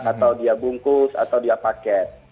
atau dia bungkus atau dia paket